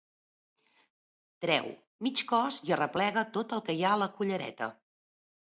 Treu mig cos i arreplega tot el que hi ha a la cullereta.